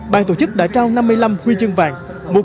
ban tổ chức đã trao năm mươi năm huy chương vàng